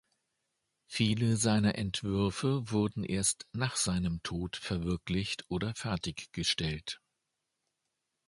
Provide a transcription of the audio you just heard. Viele seiner Entwürfe wurden erst nach seinem Tod verwirklicht oder fertiggestellt.